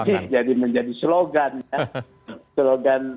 ya itu itu jadi menjadi slogan ya